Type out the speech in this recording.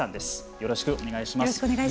よろしくお願いします。